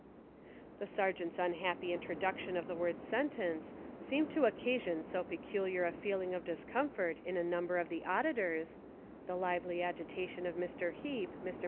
The Sergeant's unhappy introduction of the word "sentence" seemed to occasion so peculiar a feeling of discomfort in a number of the au ditors (the lively agitation of Mr. Heep, Mr'.